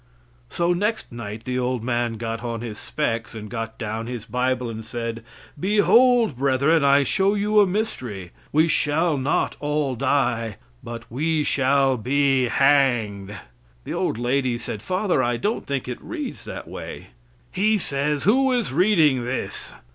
So next night the old man got on his specs and got down his bible and said: "Behold, brethren, I show you a mystery; we shall not all die, but we shall be hanged." The old lady said, "Father, I don't think it reads that way." He says, "Who is reading this?"